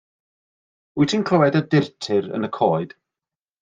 Wyt ti'n clywed y durtur yn y coed?